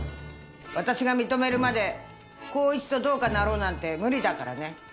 私が認めるまで孝一とどうかなろうなんて無理だからね。